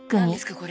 これ。